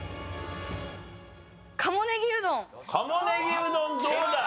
鴨ネギうどんどうだ？